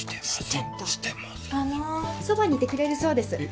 そばにいてくれるそうです。